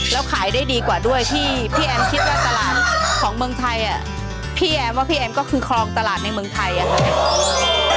แล้วขายได้ดีกว่าด้วยที่พี่แอมคิดว่าตลาดของเมืองไทยพี่แอมว่าพี่แอมก็คือคลองตลาดในเมืองไทยอะค่ะ